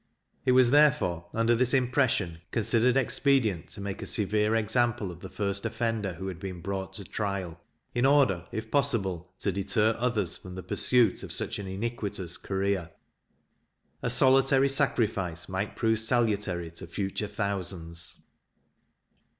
It was therefore, under this impression, considered expedient to make a severe example of the first offender who had been brought to trial, in order, if possible, to deter others from the pursuit of such an iniquitous career. A solitary sacrifice might prove salutary to future thousands.